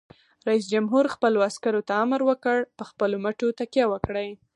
رئیس جمهور خپلو عسکرو ته امر وکړ؛ په خپلو مټو تکیه وکړئ!